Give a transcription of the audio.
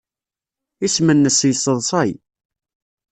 Isem-nnes yesseḍsay.